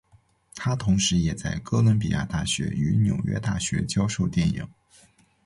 他同时也在哥伦比亚大学与纽约大学教授电影。